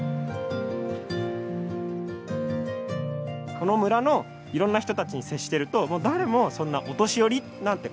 この村のいろんな人たちに接してると誰もそんなお年寄りなんて感じることはないですね。